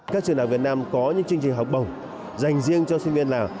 các trường đạo việt nam có những chương trình học bổng dành riêng cho sinh viên lào